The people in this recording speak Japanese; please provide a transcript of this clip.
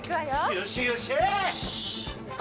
よっしゃよっしゃ！